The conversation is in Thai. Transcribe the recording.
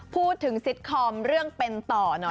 ซิตคอมเรื่องเป็นต่อหน่อย